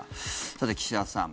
さて、岸田さん